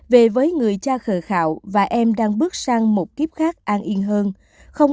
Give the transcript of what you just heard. về với người cha khờ khạo và em đang bước sang một kiếp khác an yên hơn